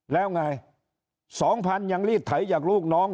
แล้วไง๒๐๐๐ยังรีดไถจากลูกน้อง